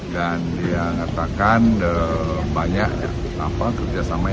dan dia mengatakan banyak kerjasama yang akan kita lakukan di indonesia